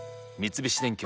三菱電機